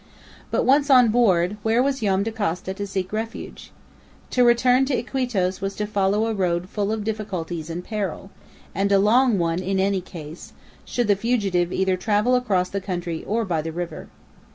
But once on board, where was Joam Dacosta to seek refuge? To return to Iquitos was to follow a road full of difficulties and peril, and a long one in any case, should the fugitive either travel across the country or by the river.